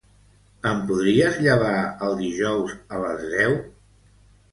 Em podries llevar el dijous a les deu?